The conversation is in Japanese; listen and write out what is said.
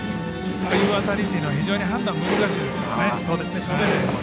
ああいう辺りっていうのは非常に判断難しいですよね。